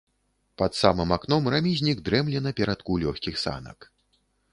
Пад самым акном рамізнік дрэмле на перадку лёгкіх санак.